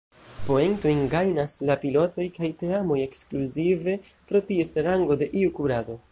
Poentojn gajnas la pilotoj kaj teamoj ekskluzive pro ties rango en iu kurado.